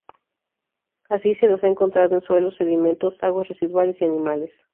Así, se los ha encontrado en suelos, sedimentos, aguas residuales y animales.